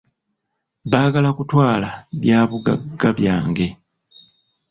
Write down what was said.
Baagala kutwala byabugagga byange.